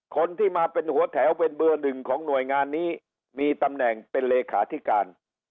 คนที่มาเป็นหัวแถวเป็นเบอร์หนึ่งของหน่วยงานนี้มีตำแหน่งเป็นเลขาธิการ